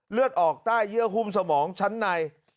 เลือดออกใต้เยื่อหุ้มสมองชั้นใน